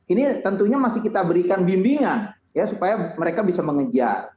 ini tentunya masih kita berikan bimbingan ya supaya mereka bisa mengejar